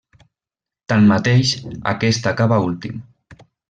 Tanmateix, aquest acaba últim.